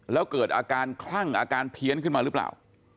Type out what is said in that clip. แล้วเกิดอาการคลั่งอาการเพี้ยนขึ้นมาหรือเปล่า